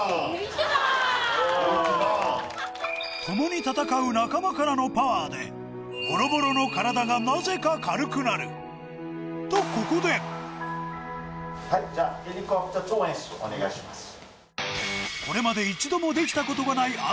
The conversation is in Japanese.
共に戦う仲間からのパワーでボロボロの体がなぜか軽くなるとはいじゃあこれまで一度もできたことがない